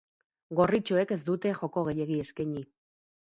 Gorritxoek ez dute joko gehiegi eskaini.